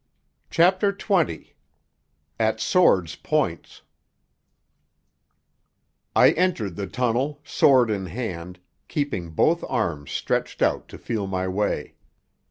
CHAPTER XX AT SWORDS' POINTS I entered the tunnel, sword in hand, keeping both arms stretched out to feel my way.